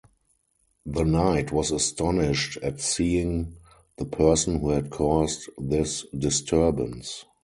The knight was astonished at seeing the person who had caused this disturbance.